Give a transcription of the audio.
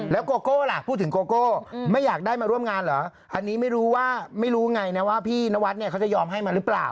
แล้วก็พูดถึงนางงามไม่อยากได้มาร่วมงานหรออันนี้ไม่รู้ว่าไม่รู้ไงนะว่าพี่นวัฒน์เนี่ยเขาจะยอมให้มันรึเปล่า